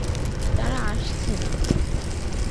তারা আসছে না।